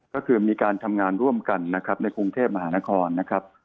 ก็คือมีการทำงานร่วมกันนะครับในกรุงเทพมหานครนะครับ